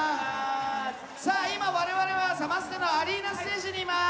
今我々は、サマステのアリーナステージにいます。